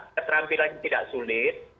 keterampilan tidak sulit